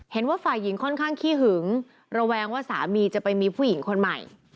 เห็นว่าฝ่ายหญิงค่อนข้างขี้หึงระแวงว่าสามีจะไปมีผู้หญิงคนใหม่